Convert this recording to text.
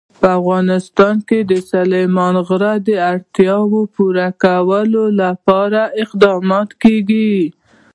په افغانستان کې د سلیمان غر د اړتیاوو پوره کولو لپاره اقدامات کېږي.